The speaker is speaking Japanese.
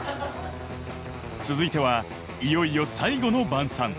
［続いてはいよいよ最後の晩さん］